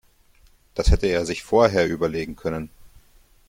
Das hätte er sich vorher überlegen können.